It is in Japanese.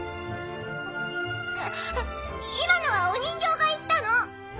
今のはお人形が言ったの！